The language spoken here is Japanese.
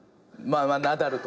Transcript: まあナダルとか。